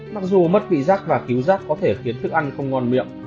mặc dù mất vị giác và cứu rác có thể khiến thức ăn không ngon miệng